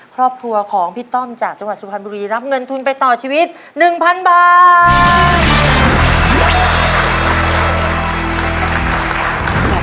ครอบครัวของพี่ต้อมจากจังหวัดสุพรรณบุรีรับเงินทุนไปต่อชีวิต๑๐๐๐บาท